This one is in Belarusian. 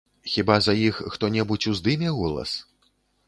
Хіба за іх хто-небудзь уздыме голас?